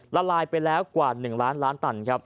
ละลายไปแล้วกว่า๑ล้านล้านตันครับ